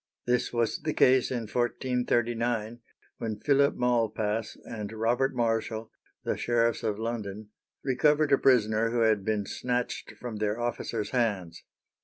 This was the case in 1439, when Phillip Malpas and Robert Marshall, the sheriffs of London, recovered a prisoner who had been snatched from their officers' hands.